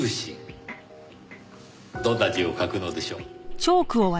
どんな字を書くのでしょう？